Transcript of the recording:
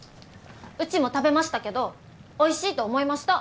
うちも食べましたけどおいしいと思いました。